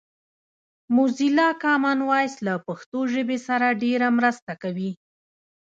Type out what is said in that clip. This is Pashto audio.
موزیلا کامن وایس له پښتو ژبې سره ډېره مرسته کوي